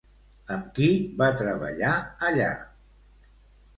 Amb qui va treballar allà?